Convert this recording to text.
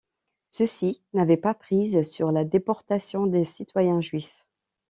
Ceci n'avait pas prise sur la déportation des citoyens juifs.